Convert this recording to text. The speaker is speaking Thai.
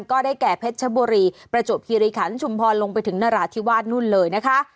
ก็ได้แก่เพชรชบุรีประจวบคิริขันชุมพรลงไปถึงนราธิวาสนู่นเลยนะคะ